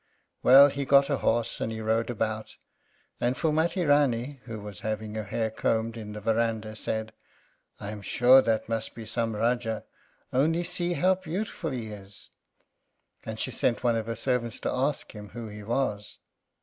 '" Well, he got a horse and rode about, and Phúlmati Rání, who was having her hair combed in the verandah, said, "I am sure that must be some Rájá; only see how beautiful he is." And she sent one of her servants to ask him who he was.